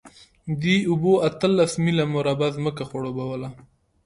دې اوبو اتلس میله مربع ځمکه خړوبوله.